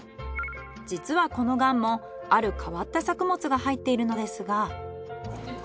実はこのがんもある変わった作物が入っているのですが。